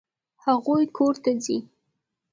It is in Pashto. هغوی کور ته ځي.